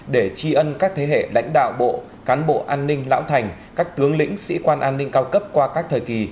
để tri ân các thế hệ lãnh đạo bộ cán bộ an ninh lão thành các tướng lĩnh sĩ quan an ninh cao cấp qua các thời kỳ